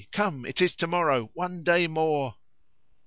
"Come, it is to morrow. One day more!"